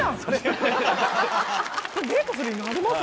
デートする意味あります？